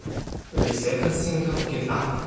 The second single Get Up!